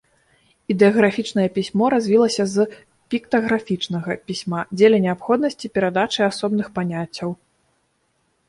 Ідэаграфічнае пісьмо развілася з піктаграфічнага пісьма дзеля неабходнасці перадачы асобных паняццяў.